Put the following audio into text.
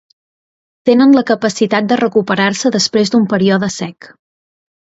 Tenen la capacitat de recuperar-se després d'un període sec.